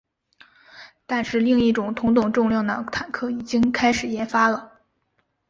但是另一种同等重量的坦克已经开始研发了。